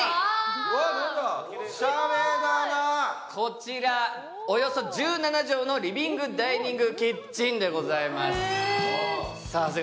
こちらおよそ１７畳のリビングダイニングキッチンでございます。